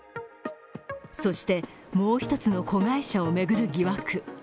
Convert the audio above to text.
そして、もう一つの子会社を巡る疑惑。